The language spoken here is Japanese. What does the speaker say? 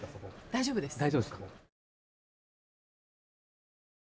大丈夫です。